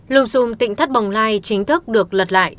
lụp dùm tỉnh thất bồng lai chính thức được lật lại